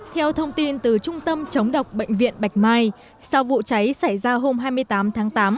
theo thông tin từ trung tâm chống độc bệnh viện bạch mai sau vụ cháy xảy ra hôm hai mươi tám tháng tám